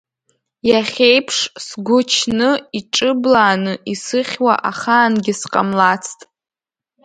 Иахьеиԥш сгәы чны, иҿыблааны исыхьуа ахаангьы сҟамлацт…